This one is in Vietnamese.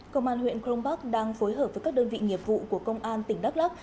công an huyện kronbach đang phối hợp với các đơn vị nghiệp vụ của công an tỉnh đắk lắk